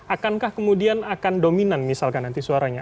akankah kemudian akan dominan misalkan nanti suaranya